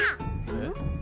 えっ？